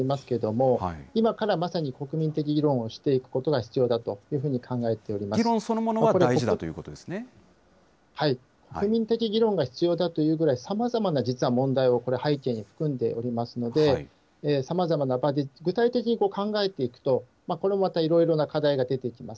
、今からまさに国民的議論をしていくことが必要だというふう議論そのものが大事だという国民的議論が必要だというぐらい、さまざまな実は問題を背景に含んでおりますので、さまざまな場で、具体的に考えていくと、これもまたいろいろな課題が出てきます。